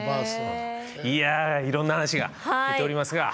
いやいろんな話が出ておりますが。